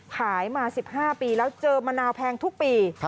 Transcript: ขายมา๑๕ปีแล้วเจอมะนาวแพงทุกปี